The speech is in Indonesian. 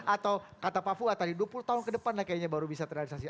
atau kata pak fuad dua puluh tahun ke depan lah kayaknya baru bisa terrealisasi